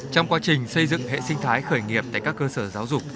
trong quá trình xây dựng hệ sinh thái khởi nghiệp tại các cơ sở giáo dục